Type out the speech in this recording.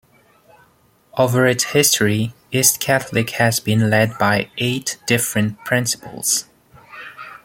Over its history, East Catholic has been led by eight different principals.